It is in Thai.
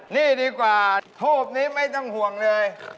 นี่ดีกว่าทูปนี้ไม่ต้องห่วงเลย